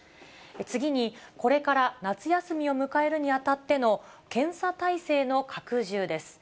次に、これから夏休みを迎えるにあたっての検査態勢の拡充です。